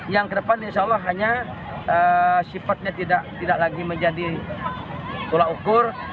yang kedepan insya allah hanya sifatnya tidak lagi menjadi tolak ukur